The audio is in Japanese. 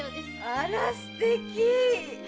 あらすてき！